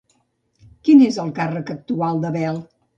Quin és el càrrec actual de Bel?